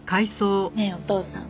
ねえお父さん。